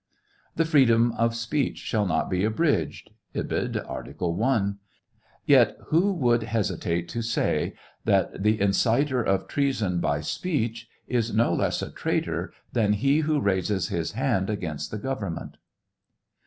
"The freedom of speech shall not be abridged," (Ibid., Art. I;) yet wh would hesitate to say that the inciter of treason by speech is no less a traito than he who raises his hand against the government.